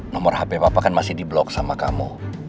nomor hp papa kan masih di blok sama kamu